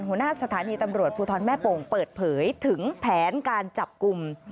หัวหน้าสถานีตำรวจภูทรแม่โป่งเปิดเผยถึงแผนการจับกลุ่ม